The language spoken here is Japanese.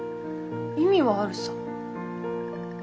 意味はあるさぁ。